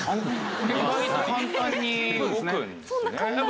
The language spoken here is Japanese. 意外と簡単に動くんですね。